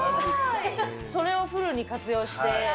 それをフルに活用して。